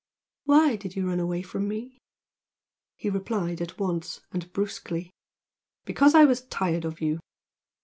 "Why did you run away from me?" He replied at once, and brusquely. "Because I was tired of you!"